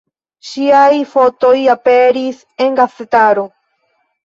Ŝiaj fotoj aperis en gazetaro.